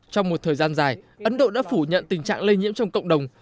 trong một thời gian dài ấn độ đã phủ nhận tình trạng lây nhiễm trong cộng đồng